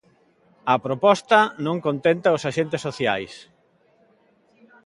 A proposta non contenta os axentes sociais.